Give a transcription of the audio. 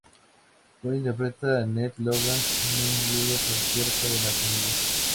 Cullen interpreta a Ned Logan, un viudo patriarca de la familia.